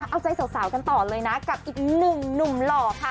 เอาใจสาวกันต่อเลยนะกับอีกหนึ่งหนุ่มหล่อค่ะ